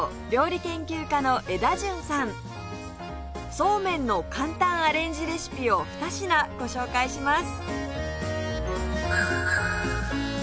そうめんの簡単アレンジレシピを２品ご紹介します！